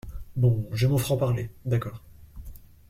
Bon, j’ai mon franc-parler, d’accord.